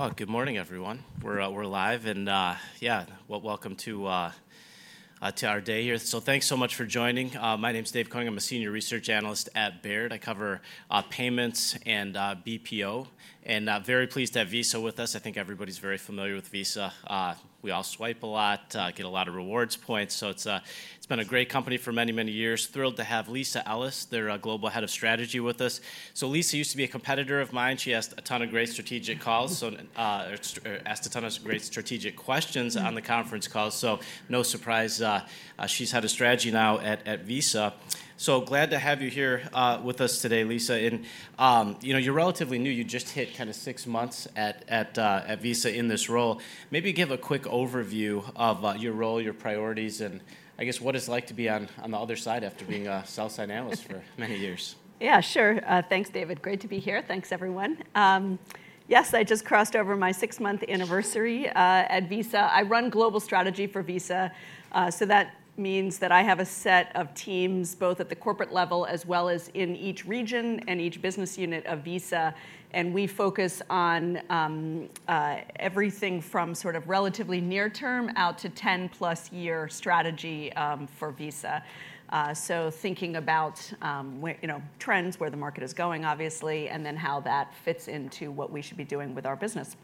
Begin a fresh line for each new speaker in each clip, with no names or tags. Oh, good morning, everyone. We're live, and yeah, well, welcome to our day here. So thanks so much for joining. My name's David Koning. I'm a senior research analyst at Baird. I cover payments and BPO, and very pleased to have Visa with us. I think everybody's very familiar with Visa. We all swipe a lot, get a lot of rewards points, so it's been a great company for many, many years. Thrilled to have Lisa Ellis, their Global Head of Strategy, with us. So Lisa used to be a competitor of mine. She asked a ton of great strategic calls, or asked a ton of great strategic questions... on the conference calls, so no surprise, she's head of strategy now at Visa. So glad to have you here with us today, Lisa, and you know, you're relatively new. You just hit kind of six months at Visa in this role. Maybe give a quick overview of your role, your priorities, and I guess, what it's like to be on the other side after being a sell-side analyst for many years.
Yeah, sure. Thanks, David. Great to be here. Thanks, everyone. Yes, I just crossed over my six-month anniversary at Visa. I run Global Strategy for Visa, so that means that I have a set of teams, both at the corporate level as well as in each region and each business unit of Visa, and we focus on everything from sort of relatively near term out to 10-plus-year strategy for Visa. So thinking about where, you know, trends, where the market is going, obviously, and then how that fits into what we should be doing with our business.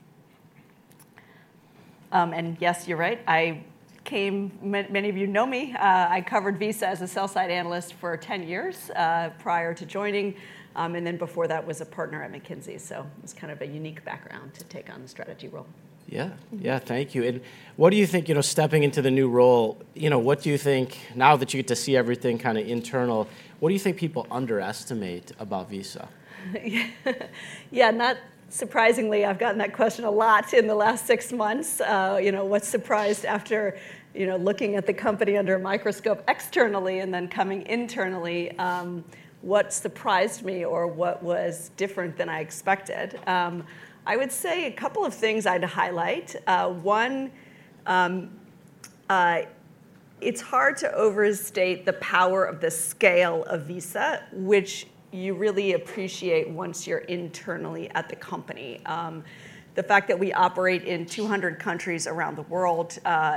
And yes, you're right, I came... Many, many of you know me. I covered Visa as a sell-side analyst for 10 years, prior to joining, and then before that was a partner at McKinsey, so it's kind of a unique background to take on the strategy role.
Yeah.
Mm.
Yeah, thank you. What do you think, you know, stepping into the new role, you know, what do you think, now that you get to see everything kind of internal, what do you think people underestimate about Visa?
Yeah, not surprisingly, I've gotten that question a lot in the last six months. You know, looking at the company under a microscope externally and then coming internally, what surprised me or what was different than I expected? I would say a couple of things I'd highlight. One, it's hard to overstate the power of the scale of Visa, which you really appreciate once you're internally at the company. The fact that we operate in 200 countries around the world,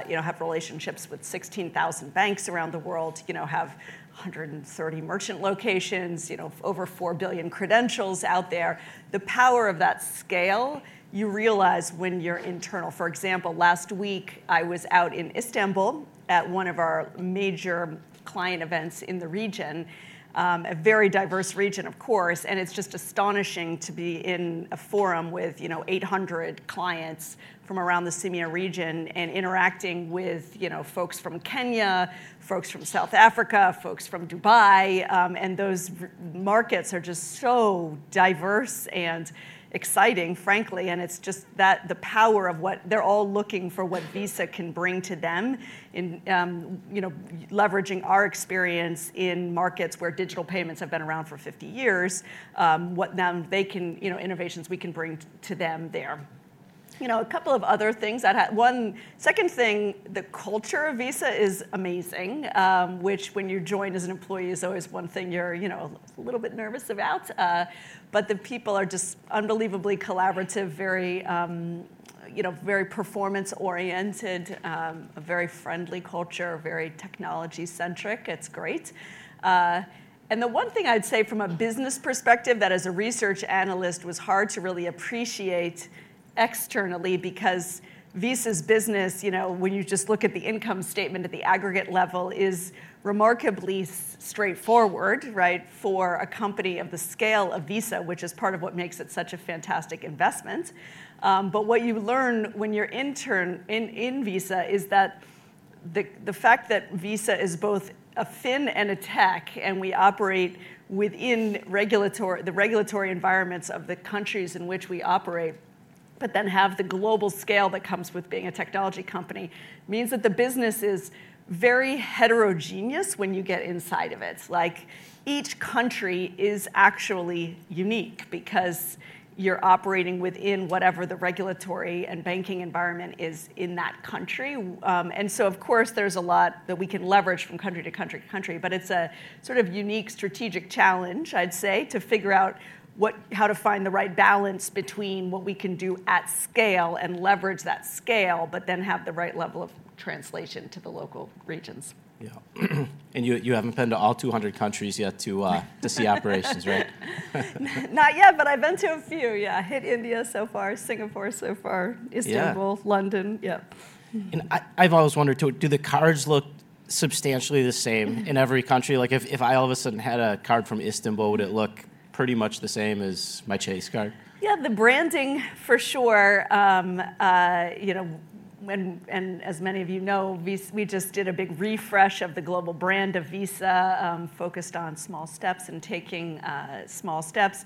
you know, have relationships with 16,000 banks around the world, you know, have 130 million merchant locations, you know, over four billion credentials out there, the power of that scale, you realize when you're internal. For example, last week, I was out in Istanbul at one of our major client events in the region. A very diverse region, of course, and it's just astonishing to be in a forum with, you know, 800 clients from around the CEMEA region and interacting with, you know, folks from Kenya, folks from South Africa, folks from Dubai, and those markets are just so diverse and exciting, frankly. And it's just that the power of what they're all looking for, what Visa can bring to them in, you know, leveraging our experience in markets where digital payments have been around for 50 years, what then they can, you know, innovations we can bring to them there. You know, a couple of other things I'd highlight. Second thing, the culture of Visa is amazing, which when you join as an employee, is always one thing you're, you know, a little bit nervous about. But the people are just unbelievably collaborative, very, you know, very performance-oriented, a very friendly culture, very technology-centric. It's great. And the one thing I'd say from a business perspective that as a research analyst was hard to really appreciate externally, because Visa's business, you know, when you just look at the income statement at the aggregate level, is remarkably straightforward, right, for a company of the scale of Visa, which is part of what makes it such a fantastic investment. But what you learn when you're intern... In Visa is that the fact that Visa is both a fin and a tech, and we operate within the regulatory environments of the countries in which we operate, but then have the global scale that comes with being a technology company, means that the business is very heterogeneous when you get inside of it. Like, each country is actually unique because you're operating within whatever the regulatory and banking environment is in that country. And so of course, there's a lot that we can leverage from country to country to country, but it's a sort of unique strategic challenge, I'd say, to figure out how to find the right balance between what we can do at scale and leverage that scale, but then have the right level of translation to the local regions.
Yeah. And you haven't been to all 200 countries yet to see operations, right?
Not yet, but I've been to a few, yeah. Hit India so far, Singapore so far-
Yeah...
Istanbul, London. Yep.
I've always wondered, too, do the cards look substantially the same-
Mm-hmm...
in every country? Like, if I all of a sudden had a card from Istanbul, would it look pretty much the same as my Chase card?
Yeah, the branding for sure, you know, and as many of you know, we just did a big refresh of the global brand of Visa, focused on small steps and taking small steps.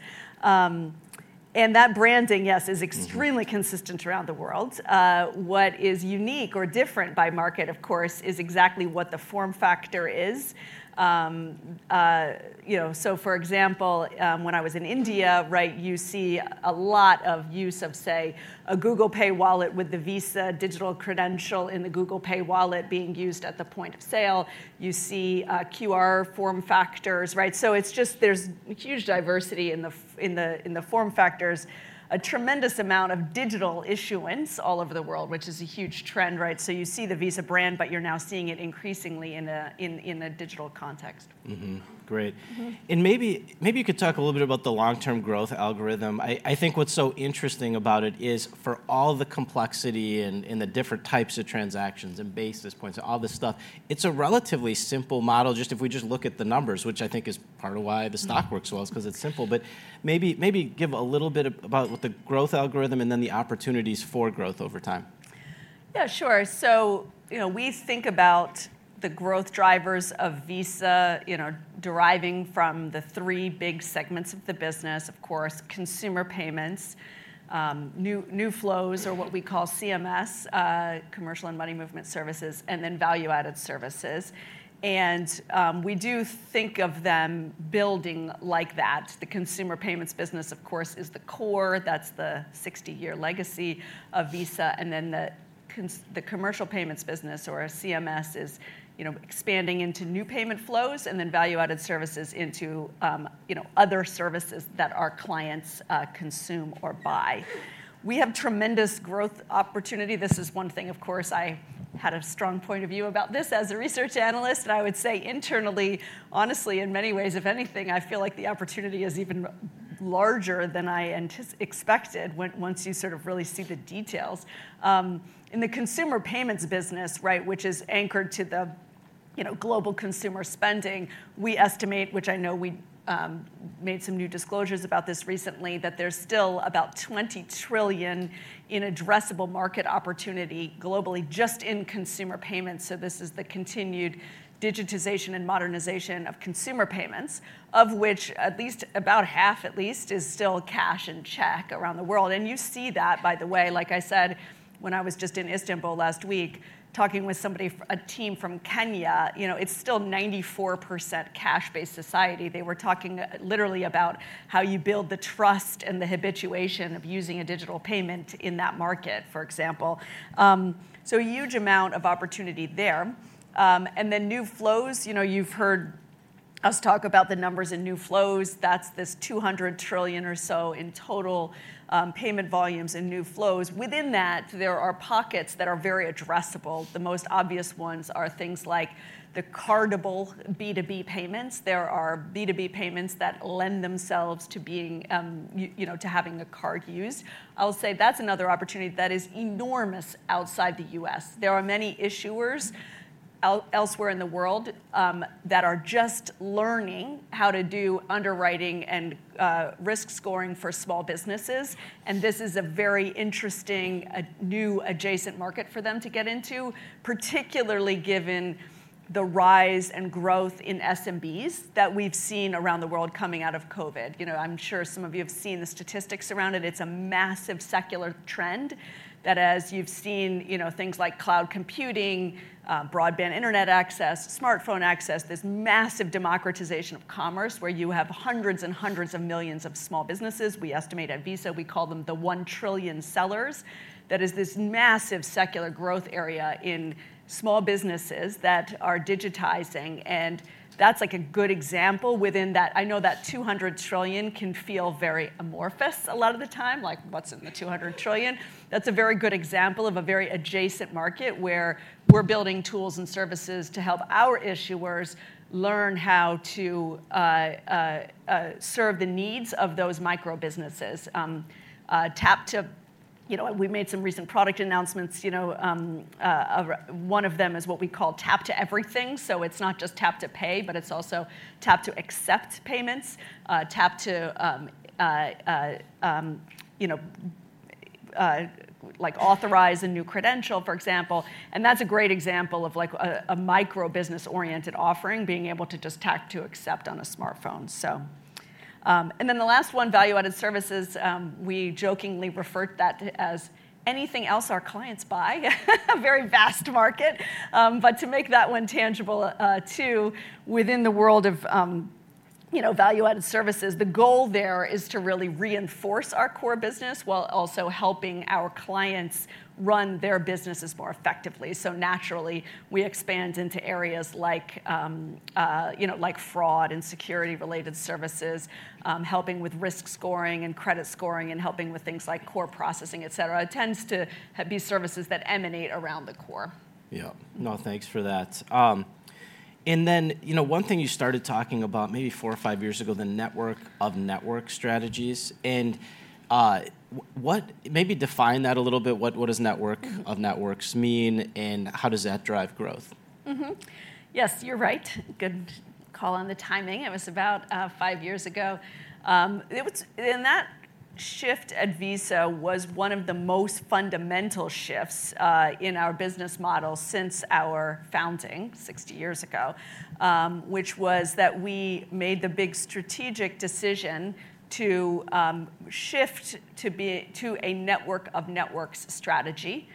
And that branding, yes, is extremely-
Mm-hmm
-consistent around the world. What is unique or different by market, of course, is exactly what the form factor is. You know, so for example, when I was in India, right, you see a lot of use of, say, a Google Pay wallet with the Visa digital credential in the Google Pay wallet being used at the point of sale. You see QR form factors, right? So it's just there's huge diversity in the form factors, a tremendous amount of digital issuance all over the world, which is a huge trend, right? So you see the Visa brand, but you're now seeing it increasingly in a digital context.
Mm-hmm. Great.
Mm-hmm.
And maybe, maybe you could talk a little bit about the long-term growth algorithm. I, I think what's so interesting about it is for all the complexity and, and the different types of transactions, and basis points, and all this stuff, it's a relatively simple model, just if we just look at the numbers, which I think is part of why the stock-
Mm...
works well, is 'cause it's simple. But maybe, maybe give a little bit about what the growth algorithm, and then the opportunities for growth over time.
Yeah, sure. So, you know, we think about the growth drivers of Visa, you know, deriving from the three big segments of the business, of course, consumer payments, new flows or what we call CMS, Commercial and Money Movement Solutions, and then value-added services. And, we do think of them building like that. The consumer payments business, of course, is the core. That's the 60-year legacy of Visa, and then the commercial payments business or CMS is, you know, expanding into new payment flows, and then value-added services into, you know, other services that our clients, consume or buy. We have tremendous growth opportunity. This is one thing, of course, I had a strong point of view about this as a research analyst, and I would say internally, honestly, in many ways, if anything, I feel like the opportunity is even larger than I expected, once you sort of really see the details. In the consumer payments business, right, which is anchored to the, you know, global consumer spending, we estimate, which I know we made some new disclosures about this recently, that there's still about $20 trillion in addressable market opportunity globally, just in consumer payments. So this is the continued digitization and modernization of consumer payments, of which at least about half at least, is still cash and check around the world. And you see that, by the way, like I said, when I was just in Istanbul last week, talking with somebody from a team from Kenya, you know, it's still 94% cash-based society. They were talking literally about how you build the trust and the habituation of using a digital payment in that market, for example. So a huge amount of opportunity there. And then new flows, you know, you've heard us talk about the numbers in new flows. That's this $200 trillion or so in total, payment volumes and new flows. Within that, there are pockets that are very addressable. The most obvious ones are things like the cardable B2B payments. There are B2B payments that lend themselves to being, you know, to having a card used. I'll say that's another opportunity that is enormous outside the US. There are many issuers elsewhere in the world that are just learning how to do underwriting and risk scoring for small businesses, and this is a very interesting, a new adjacent market for them to get into, particularly given the rise and growth in SMBs that we've seen around the world coming out of COVID. You know, I'm sure some of you have seen the statistics around it. It's a massive secular trend, that as you've seen, you know, things like cloud computing, broadband internet access, smartphone access, this massive democratization of commerce, where you have hundreds and hundreds of millions of small businesses. We estimate at Visa, we call them the one trillion sellers, that is this massive secular growth area in small businesses that are digitizing, and that's, like, a good example within that... I know that $200 trillion can feel very amorphous a lot of the time, like, what's in the $200 trillion? That's a very good example of a very adjacent market, where we're building tools and services to help our issuers learn how to serve the needs of those micro businesses. You know, we've made some recent product announcements, you know, one of them is what we call Tap to Everything, so it's not just Tap to Pay, but it's also tap to accept payments, tap to, you know, like authorize a new credential, for example. And that's a great example of, like, a micro business-oriented offering, being able to just tap to accept on a smartphone, so. And then the last one, Value-Added Services, we jokingly refer to that as anything else our clients buy. A very vast market. But to make that one tangible, too, within the world of, you know, Value-Added Services, the goal there is to really reinforce our core business, while also helping our clients run their businesses more effectively. So naturally, we expand into areas like, you know, like fraud and security-related services, helping with risk scoring and credit scoring, and helping with things like core processing, et cetera. It tends to be services that emanate around the core.
Yeah. No, thanks for that. And then, you know, one thing you started talking about maybe four or five years ago, the network of network strategies, and what... Maybe define that a little bit. What does network-
Mm
-of networks mean, and how does that drive growth?
Mm-hmm. Yes, you're right. Good call on the timing. It was about five years ago. That shift at Visa was one of the most fundamental shifts in our business model since our founding 60 years ago. Which was that we made the big strategic decision to shift to a network of networks strategy,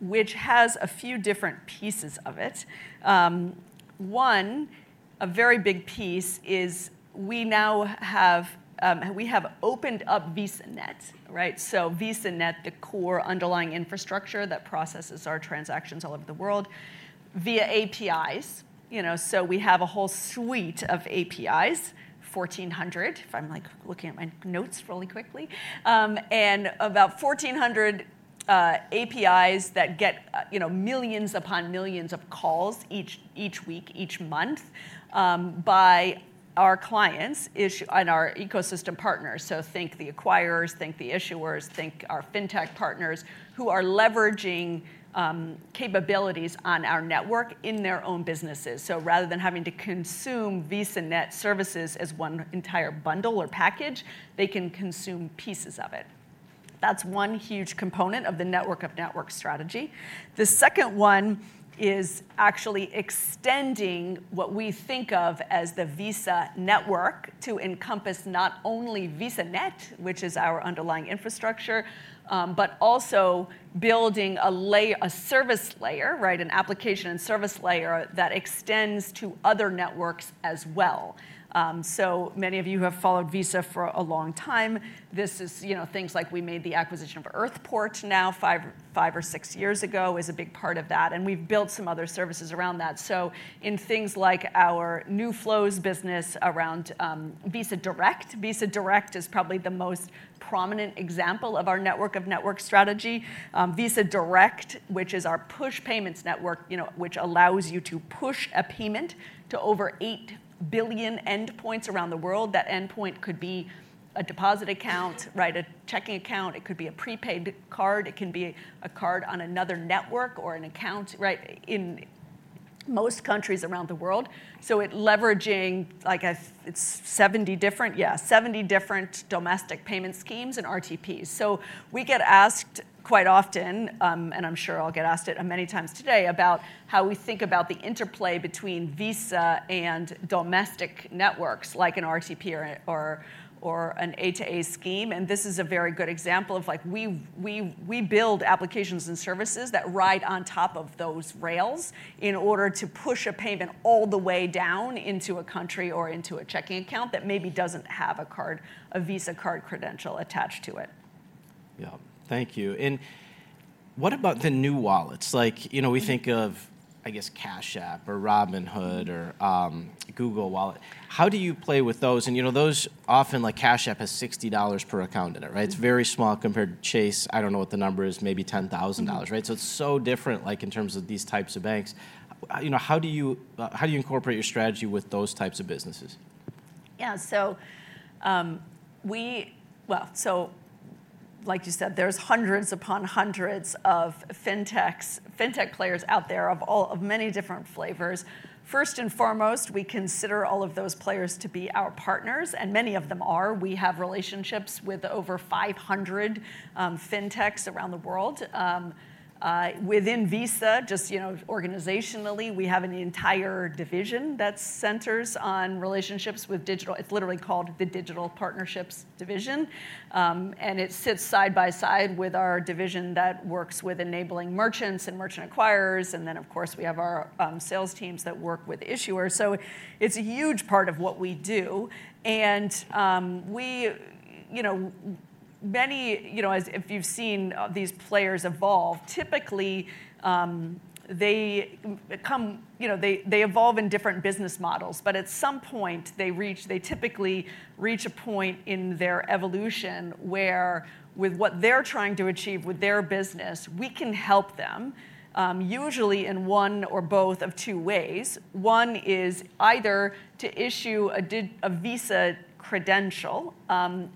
which has a few different pieces of it. One, a very big piece, is we now have opened up VisaNet, right? So VisaNet, the core underlying infrastructure that processes our transactions all over the world via APIs. You know, so we have a whole suite of APIs, 1,400, if I'm, like, looking at my notes really quickly. And about 1,400 APIs that get, you know, millions upon millions of calls each week, each month, by our clients, issuers, and our ecosystem partners. So think the acquirers, think the issuers, think our fintech partners, who are leveraging capabilities on our network in their own businesses. So rather than having to consume VisaNet services as one entire bundle or package, they can consume pieces of it. That's one huge component of the network of network strategy. The second one is actually extending what we think of as the Visa network to encompass not only VisaNet, which is our underlying infrastructure, but also building a service layer, right, an application and service layer that extends to other networks as well. So many of you have followed Visa for a long time. This is, you know, things like we made the acquisition of Earthport now, five, five or six years ago, is a big part of that, and we've built some other services around that. So in things like our new flows business around, Visa Direct. Visa Direct is probably the most prominent example of our network of network strategy. Visa Direct, which is our push payments network, you know, which allows you to push a payment to over eight billion endpoints around the world. That endpoint could be a deposit account, right, a checking account, it could be a prepaid card, it can be a card on another network or an account, right, in most countries around the world. So it leveraging, like, It's 70 different? Yeah, 70 different domestic payment schemes and RTPs. So we get asked quite often, and I'm sure I'll get asked it many times today, about how we think about the interplay between Visa and domestic networks, like an RTP or an A2A scheme, and this is a very good example of, like, we build applications and services that ride on top of those rails in order to push a payment all the way down into a country or into a checking account that maybe doesn't have a card, a Visa card credential attached to it.
Yeah. Thank you. And what about the new wallets? Like, you know, we think of, I guess, Cash App or Robinhood or Google Wallet. How do you play with those? And, you know, those often... Like, Cash App has $60 per account in it, right? It's very small compared to Chase. I don't know what the number is, maybe $10,000, right?
Mm-hmm.
It's so different, like, in terms of these types of banks. You know, how do you, how do you incorporate your strategy with those types of businesses?
Yeah, so, well, so, like you said, there's hundreds upon hundreds of fintechs, fintech players out there of all, of many different flavors. First and foremost, we consider all of those players to be our partners, and many of them are. We have relationships with over 500 fintechs around the world. Within Visa, just, you know, organizationally, we have an entire division that centers on relationships with digital... It's literally called the Digital Partnerships Division. And it sits side by side with our division that works with enabling merchants and merchant acquirers, and then, of course, we have our sales teams that work with issuers. So it's a huge part of what we do, and, we, you know, many. You know, as if you've seen, these players evolve, typically, they become... You know, they evolve in different business models. But at some point, they typically reach a point in their evolution where, with what they're trying to achieve with their business, we can help them, usually in one or both of two ways. One is either to issue a digital Visa credential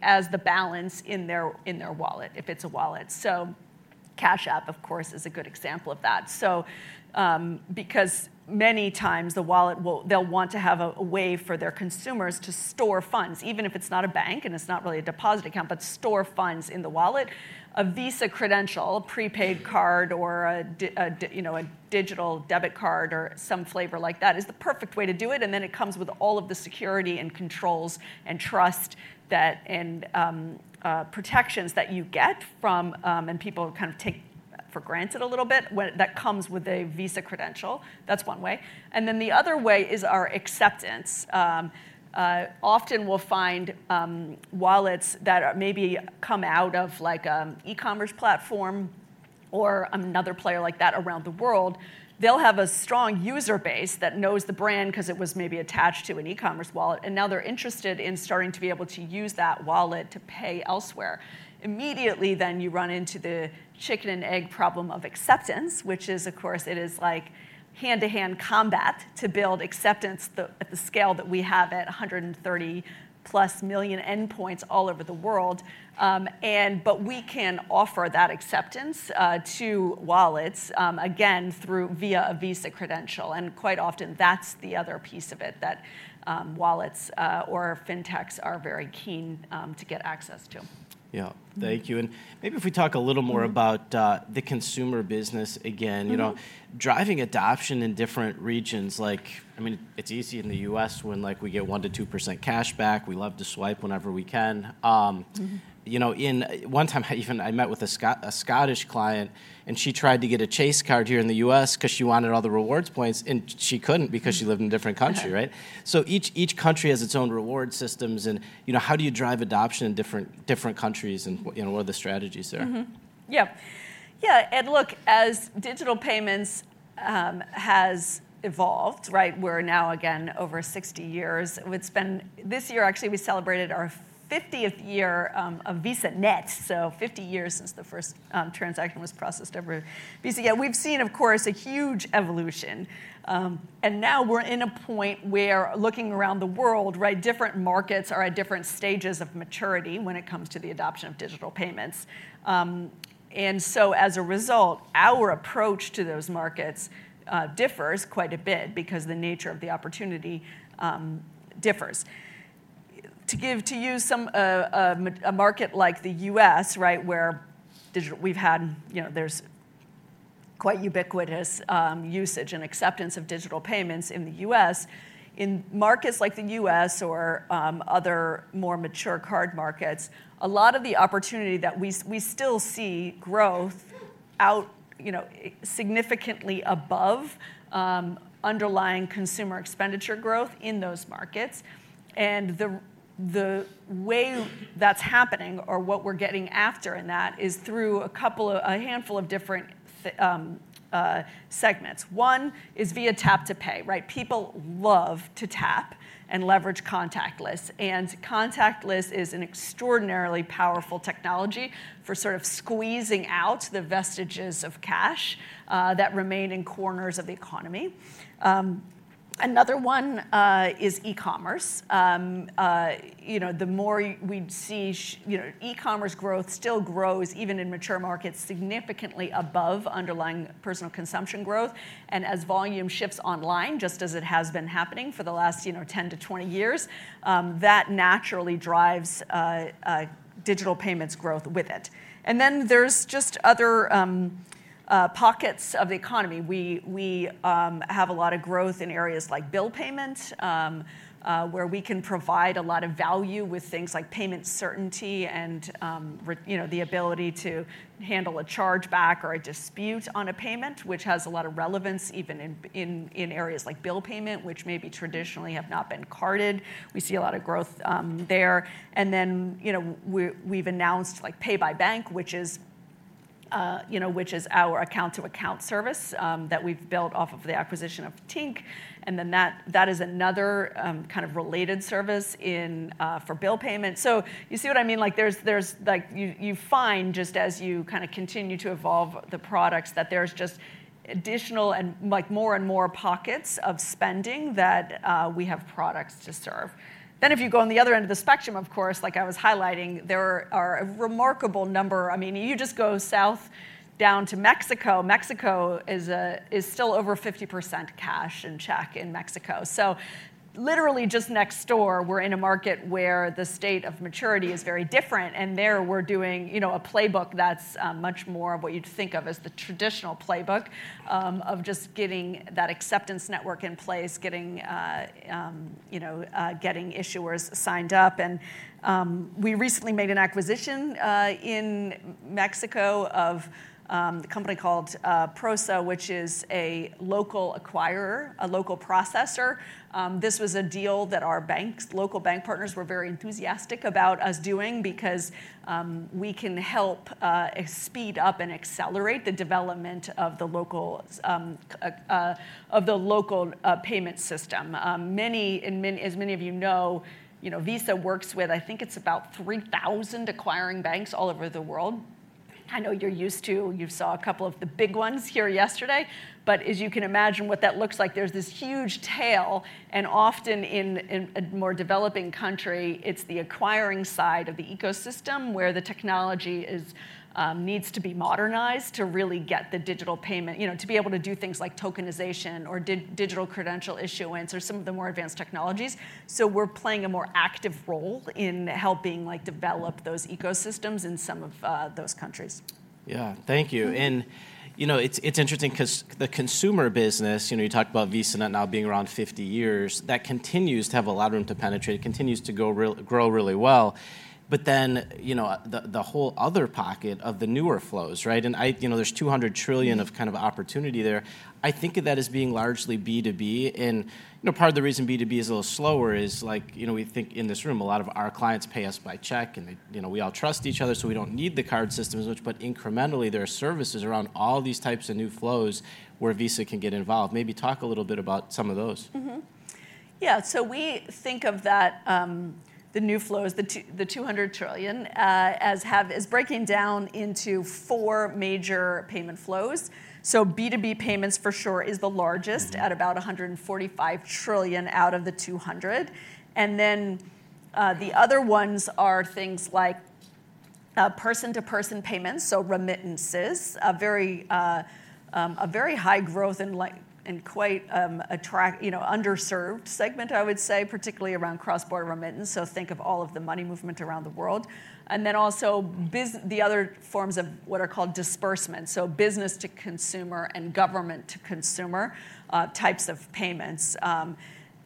as the balance in their wallet, if it's a wallet. So Cash App, of course, is a good example of that. So, because many times, the wallet they'll want to have a way for their consumers to store funds, even if it's not a bank and it's not really a deposit account, but store funds in the wallet. A Visa credential, a prepaid card or a digital debit card or some flavor like that, is the perfect way to do it, and then it comes with all of the security and controls and trust that, and, protections that you get from... And people kind of take for granted a little bit, that comes with a Visa credential. That's one way. And then the other way is our acceptance. Often we'll find wallets that maybe come out of, like, an e-commerce platform or another player like that around the world. They'll have a strong user base that knows the brand, 'cause it was maybe attached to an e-commerce wallet, and now they're interested in starting to be able to use that wallet to pay elsewhere. Immediately, then, you run into the chicken-and-egg problem of acceptance, which is, of course, it is like hand-to-hand combat to build acceptance at the scale that we have at 130+ million endpoints all over the world. But we can offer that acceptance to wallets, again, through via a Visa credential, and quite often, that's the other piece of it, wallets or fintechs are very keen to get access to.
Yeah.
Mm-hmm.
Thank you, and maybe if we talk a little more about-
Mm...
the consumer business again.
Mm-hmm.
You know, driving adoption in different regions, like, I mean, it's easy in the U.S. when, like, we get 1%-2% cash back. We love to swipe whenever we can.
Mm-hmm...
you know, one time, I even met with a Scottish client, and she tried to get a Chase card here in the U.S. 'cause she wanted all the rewards points, and she couldn't because-
Mm...
she lived in a different country, right?
Yeah.
So each country has its own reward systems and, you know, how do you drive adoption in different countries, and what, you know, what are the strategies there?
Mm-hmm. Yeah. Yeah, and look, as digital payments has evolved, right, we're now again over 60 years. It's been... This year, actually, we celebrated our 50th year of VisaNet. So 50 years since the first transaction was processed over Visa. Yeah, we've seen, of course, a huge evolution. And now we're in a point where looking around the world, right, different markets are at different stages of maturity when it comes to the adoption of digital payments. And so as a result, our approach to those markets differs quite a bit because the nature of the opportunity differs. To give to you some, a market like the U.S., right, where digital- we've had, you know, there's quite ubiquitous usage and acceptance of digital payments in the U.S. In markets like the U.S. or other more mature card markets, a lot of the opportunity that we still see growth out, you know, significantly above underlying consumer expenditure growth in those markets. And the way that's happening or what we're getting after in that is through a couple of, a handful of different segments. One is via tap to pay, right? People love to tap and leverage contactless, and contactless is an extraordinarily powerful technology for sort of squeezing out the vestiges of cash that remain in corners of the economy. Another one is e-commerce. You know, the more we see e-commerce growth still grows even in mature markets, significantly above underlying personal consumption growth, and as volume shifts online, just as it has been happening for the last, you know, 10-20 years, that naturally drives digital payments growth with it. And then there's just other pockets of the economy. We have a lot of growth in areas like bill payment, where we can provide a lot of value with things like payment certainty and you know, the ability to handle a chargeback or a dispute on a payment, which has a lot of relevance even in areas like bill payment, which maybe traditionally have not been carded. We see a lot of growth there. And then, you know, we, we've announced, like, Pay by Bank, which is, you know, which is our account-to-account service, that we've built off of the acquisition of Tink, and then that, that is another, kind of related service in, for bill payment. So you see what I mean? Like, there's, there's, like, you, you find just as you kind of continue to evolve the products, that there's just additional and, like, more and more pockets of spending that, we have products to serve. Then if you go on the other end of the spectrum, of course, like I was highlighting, there are a remarkable number... I mean, you just go south down to Mexico. Mexico is, is still over 50% cash and check in Mexico. So literally just next door, we're in a market where the state of maturity is very different, and there we're doing, you know, a playbook that's much more of what you'd think of as the traditional playbook of just getting that acceptance network in place, getting issuers signed up. And we recently made an acquisition in Mexico of a company called Prosa, which is a local acquirer, a local processor. This was a deal that our banks, local bank partners, were very enthusiastic about us doing because we can help speed up and accelerate the development of the local payment system. As many of you know, you know, Visa works with, I think it's about 3,000 acquiring banks all over the world. I know you're used to, you saw a couple of the big ones here yesterday, but as you can imagine what that looks like, there's this huge tail, and often in a more developing country, it's the acquiring side of the ecosystem where the technology is, needs to be modernized to really get the digital payment... You know, to be able to do things like tokenization or digital credential issuance or some of the more advanced technologies. So we're playing a more active role in helping, like, develop those ecosystems in some of those countries.
Yeah. Thank you.
Mm-hmm.
You know, it's, it's interesting 'cause the consumer business, you know, you talked about VisaNet now being around 50 years, that continues to have a lot of room to penetrate, continues to grow really well. But then, you know, the whole other pocket of the newer flows, right? You know, there's $200 trillion of kind of opportunity there. I think of that as being largely B2B, and, you know, part of the reason B2B is a little slower is, like, you know, we think in this room, a lot of our clients pay us by check, and they, you know, we all trust each other, so we don't need the card system as much, but incrementally, there are services around all these types of new flows where Visa can get involved. Maybe talk a little bit about some of those.
Mm-hmm. Yeah, so we think of that, the new flows, the $200 trillion, as breaking down into four major payment flows. So B2B payments, for sure, is the largest-
Mm-hmm...
at about $145 trillion out of the $200. And then, the other ones are things like person-to-person payments, so remittances. A very high growth and like, and quite attractive, you know, underserved segment, I would say, particularly around cross-border remittance. So think of all of the money movement around the world. And then also the other forms of what are called disbursements, so business-to-consumer and government-to-consumer types of payments.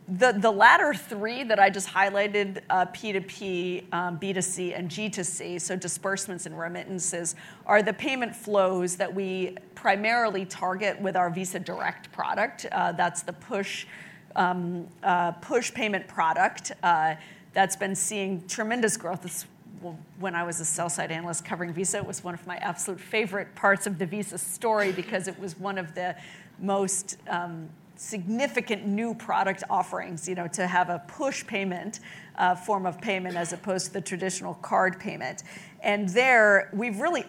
The latter three that I just highlighted, P2P, B2C, and G2C, so disbursements and remittances, are the payment flows that we primarily target with our Visa Direct product. That's the push payment product that's been seeing tremendous growth. Well, when I was a sell-side analyst covering Visa, it was one of my absolute favorite parts of the Visa story, because it was one of the most significant new product offerings, you know, to have a push payment form of payment, as opposed to the traditional card payment. And there, we've really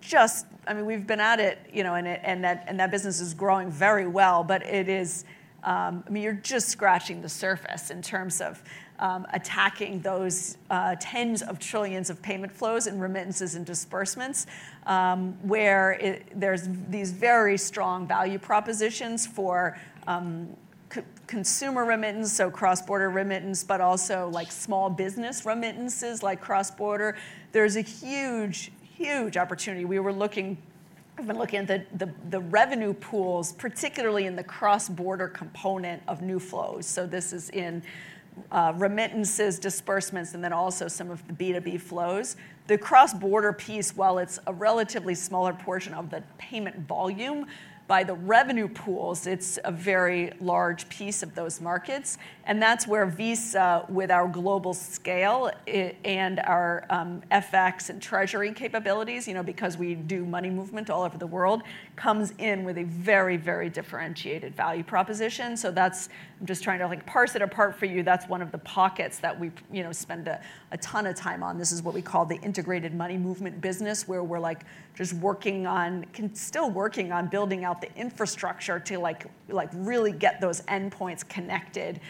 just I mean, we've been at it, you know, and it, and that, and that business is growing very well. But it is, I mean, you're just scratching the surface in terms of attacking those tens of trillions of payment flows in remittances and disbursements, where it, there's these very strong value propositions for consumer remittance, so cross-border remittance, but also, like, small business remittances, like cross-border. There's a huge, huge opportunity. I've been looking at the revenue pools, particularly in the cross-border component of new flows. So this is in remittances, disbursements, and then also some of the B2B flows. The cross-border piece, while it's a relatively smaller portion of the payment volume, by the revenue pools, it's a very large piece of those markets. And that's where Visa, with our global scale, and our FX and treasury capabilities, you know, because we do money movement all over the world, comes in with a very, very differentiated value proposition. So that's... I'm just trying to, like, parse it apart for you. That's one of the pockets that we've, you know, spend a ton of time on. This is what we call the integrated money movement business, where we're, like, just working on still working on building out the infrastructure to, like, really get those endpoints connected,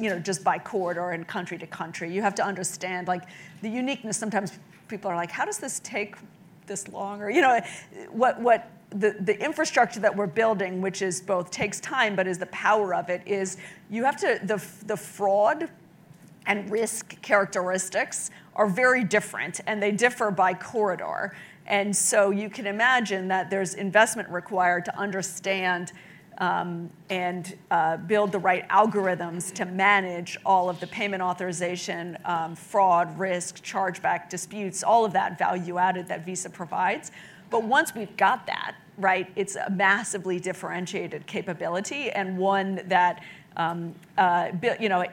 you know, just by corridor and country to country. You have to understand, like, the uniqueness. Sometimes people are like: "How does this take this long?" Or, you know, what, what. The infrastructure that we're building, which is both takes time but is the power of it, is the fraud and risk characteristics are very different, and they differ by corridor. And so you can imagine that there's investment required to understand and build the right algorithms to manage all of the payment authorization, fraud, risk, chargeback, disputes, all of that value added that Visa provides. But once we've got that, right, it's a massively differentiated capability, and one that, you know,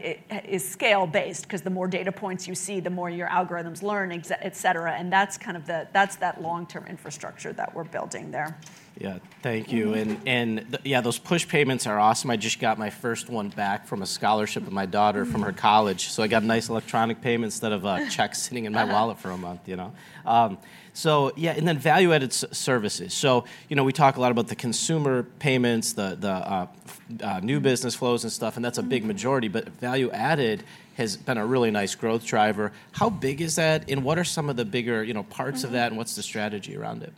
is scale-based, 'cause the more data points you see, the more your algorithms learn, et cetera, and that's kind of that's that long-term infrastructure that we're building there.
Yeah. Thank you.
Mm-hmm.
Yeah, those push payments are awesome. I just got my first one back from a scholarship of my daughter-
Mm...
from her college. So I got a nice electronic payment, instead of a check sitting in my wallet for a month, you know? So yeah, and then value-added services. So, you know, we talk a lot about the consumer payments, the new business flows and stuff-
Mm...
and that's a big majority, but value added has been a really nice growth driver. How big is that, and what are some of the bigger, you know, parts of that-
Mm-hmm...
and what's the strategy around it?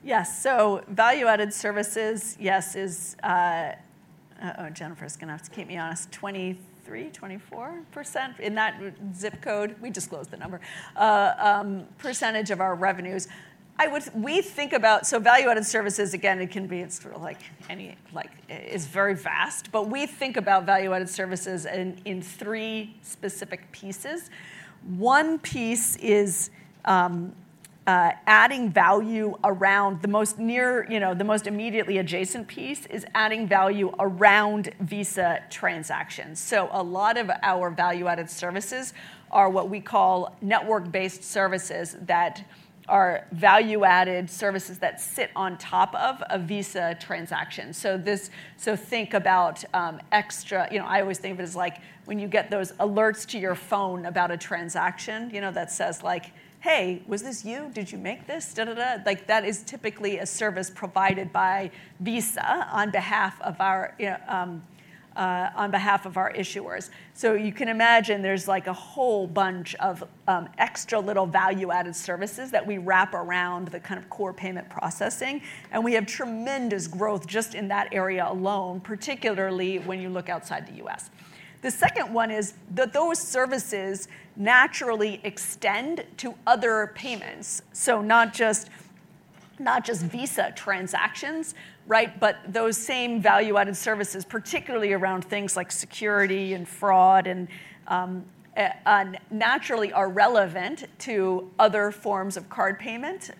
Mm-hmm. Yeah, so Value-Added Services, yes, is... Oh, Jennifer's gonna have to keep me honest, 23%-24% in that zip code, we disclose the number, percentage of our revenues. We think about... So Value-Added Services, again, it can be, it's sort of like any, like, it's very vast. But we think about Value-Added Services in three specific pieces. One piece is adding value around the most near, you know, the most immediately adjacent piece is adding value around Visa transactions. So a lot of our Value-Added Services are what we call network-based services that are Value-Added Services that sit on top of a Visa transaction. So this, so think about extra... You know, I always think of it as like when you get those alerts to your phone about a transaction, you know, that says, like, "Hey, was this you? Did you make this?" Like, that is typically a service provided by Visa on behalf of our on behalf of our issuers. So you can imagine there's, like, a whole bunch of extra little value-added services that we wrap around the kind of core payment processing, and we have tremendous growth just in that area alone, particularly when you look outside the U.S. The second one is that those services naturally extend to other payments. So not just, not just Visa transactions, right, but those same value-added services, particularly around things like security and fraud, and naturally are relevant to other forms of card payment,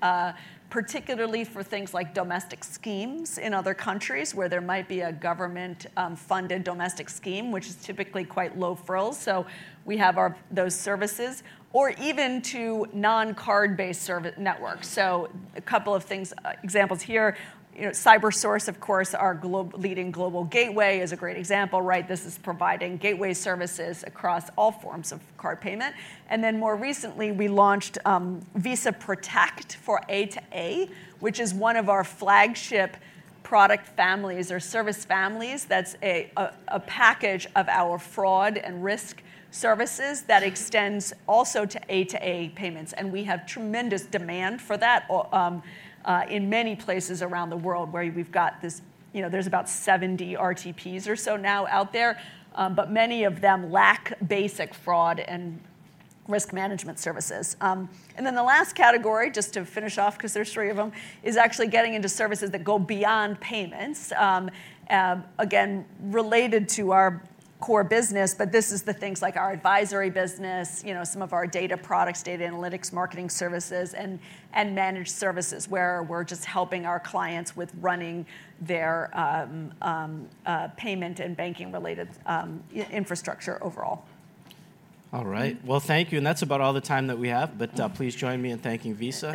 particularly for things like domestic schemes in other countries, where there might be a government funded domestic scheme, which is typically quite low frills. So we have our, those services, or even to non-card-based service networks. So a couple of things, examples here, you know, Cybersource, of course, our globally leading global gateway, is a great example, right? This is providing gateway services across all forms of card payment. And then more recently, we launched Visa Protect for A2A, which is one of our flagship product families or service families. That's a package of our fraud and risk services that extends also to A2A payments, and we have tremendous demand for that in many places around the world, where we've got this. You know, there's about 70 RTPs or so now out there, but many of them lack basic fraud and risk management services. And then the last category, just to finish off, 'cause there's three of them, is actually getting into services that go beyond payments. Again, related to our core business, but this is the things like our advisory business, you know, some of our data products, data analytics, marketing services, and, and managed services, where we're just helping our clients with running their payment and banking-related infrastructure overall.
All right.
Mm.
Well, thank you, and that's about all the time that we have.
Mm.
Please join me in thanking Visa.